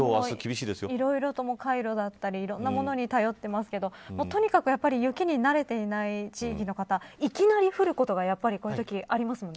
いろいろとカイロだったりいろんな物に頼っていますけどとにかく雪に慣れていない地域の方いきなり降ることがこういうとき、ありますもんね。